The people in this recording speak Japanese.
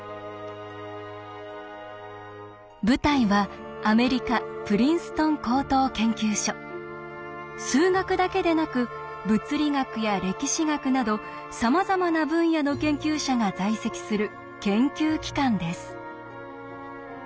舞台はアメリカ数学だけでなく物理学や歴史学などさまざまな分野の研究者が在籍する研究機関です。